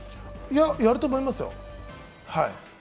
やると思いますよ。